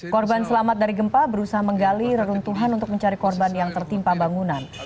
korban selamat dari gempa berusaha menggali reruntuhan untuk mencari korban yang tertimpa bangunan